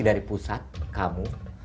dari pusat kamu